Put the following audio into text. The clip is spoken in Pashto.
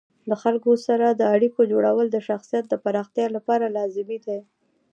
د خلکو سره د اړیکو جوړول د شخصیت د پراختیا لپاره لازمي دي.